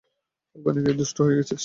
ওখানে গিয়ে দুষ্ট হয়ে গেছিস।